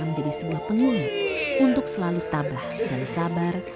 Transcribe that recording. menjadi sebuah penghuni untuk selalu tabah dan sabar